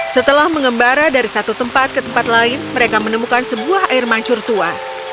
setelah mengembara dari satu tempat ke tempat lain mereka menemukan sebuah air mancur tua